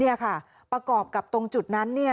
นี่ค่ะประกอบกับตรงจุดนั้นเนี่ย